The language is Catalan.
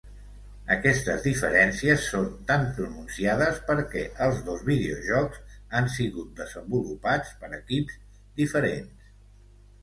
Aquestes diferències són tan pronunciades perquè els dos videojocs han sigut desenvolupats per equips diferents.